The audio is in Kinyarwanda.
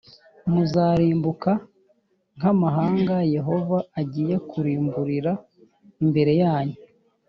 Muzarimbuka nk’amahanga Yehova agiye kurimburira imbere yanyu,